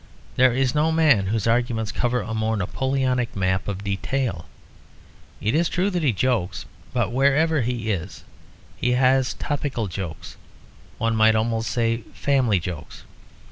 There is no man whose arguments cover a more Napoleonic map of detail. It is true that he jokes; but wherever he is he has topical jokes, one might almost say family jokes.